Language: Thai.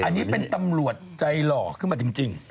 อันนี้เป็นตำรวจใจหล่อขึ้นมาจริง